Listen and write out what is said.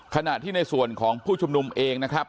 ขณะที่ในส่วนของผู้ชุมนุมเองนะครับ